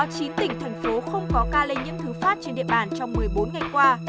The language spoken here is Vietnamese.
chín tỉnh thành phố không có ca lây nhiễm thứ phát trên địa bàn trong một mươi bốn ngày qua